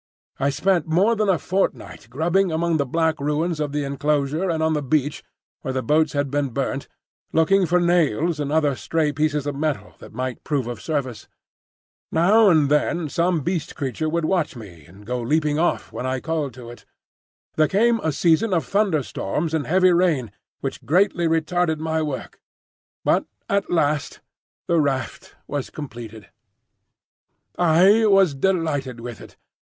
I spent more than a fortnight grubbing among the black ruins of the enclosure and on the beach where the boats had been burnt, looking for nails and other stray pieces of metal that might prove of service. Now and then some Beast creature would watch me, and go leaping off when I called to it. There came a season of thunder storms and heavy rain, which greatly retarded my work; but at last the raft was completed. I was delighted with it.